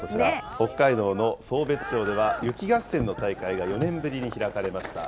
北海道の壮瞥町では、雪合戦の大会が４年ぶりに開かれました。